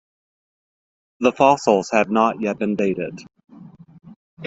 The fossils have not yet been dated.